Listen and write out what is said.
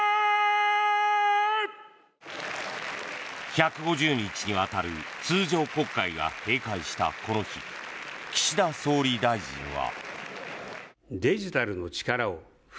１５０日にわたる通常国会が閉会したこの日岸田総理大臣は。